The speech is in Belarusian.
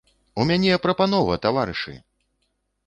У мяне, прапанова, таварышы!